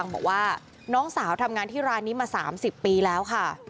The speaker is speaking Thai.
บอกว่าน้องสาวทำงานที่ร้านนี้มา๓๐ปีแล้วค่ะ